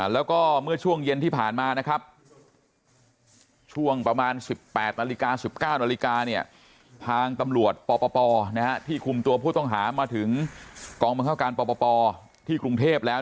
แล้วก็เมื่อช่วงเย็นที่ผ่านมานะครับช่วงประมาณ๑๘นาฬิกา๑๙นาฬิกาเนี่ย